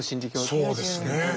そうですね。